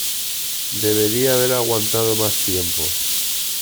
Debería haber aguantado más tiempo.